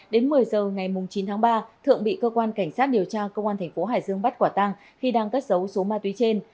đến một mươi giờ ngày chín tháng ba thượng bị cơ quan cảnh sát điều tra công an thành phố hải dương bắt quả tăng khi đang cất giấu số ma túy trên